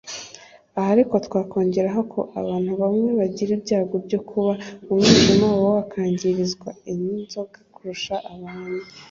Aha ariko twakongeraho ko abantu bamwe bagira ibyago byo kuba umwijima wabo wakwangirizwa n’inzoga kurusha abandi